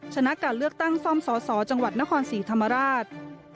ชนะการเลือกตั้งซ่อมสอสอจังหวัดนครศรีธรรมราช